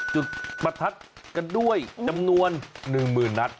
จุดประทัดกันด้วยจำนวนหนึ่งหมื่นนัด